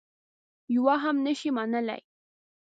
یوه هم نه شي منلای.